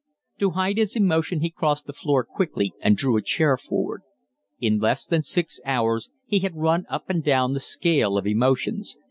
To hide his emotion he crossed the floor quickly and drew a chair forward. In less than six hours he had run up and down the scale of emotions.